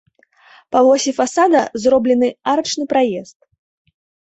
Па восі фасада зроблены арачны праезд.